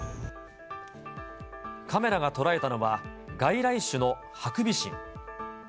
カメラが捉えたのは、外来種のハクビシン。